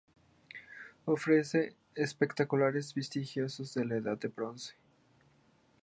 Ofrece espectaculares vestigios de la Edad del Bronce.